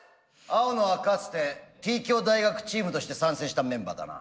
青野はかつてＴ京大学チームとして参戦したメンバーだな。